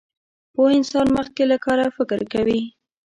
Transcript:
پوه انسان مخکې له کاره فکر کوي.